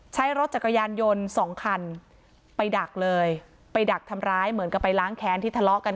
ใช้รถจักรยานยนต์สองคันไปดักเลยไปดักทำร้ายเหมือนกับไปล้างแค้นที่ทะเลาะกัน